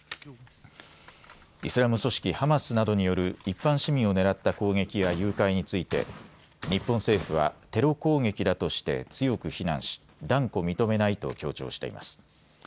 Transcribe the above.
イスラム組織ハマスなどによる一般市民を狙った攻撃や誘拐について、日本政府はテロ攻撃だとして強く非難し断固認めないと強調しています。